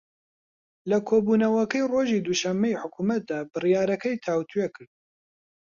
لە کۆبوونەوەکەی ڕۆژی دووشەممەی حکوومەتدا بڕیارەکەی تاووتوێ کرد